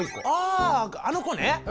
あああの子ね！